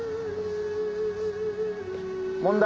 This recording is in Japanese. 問題。